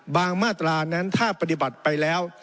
มาตรานั้นถ้าปฏิบัติไปแล้ว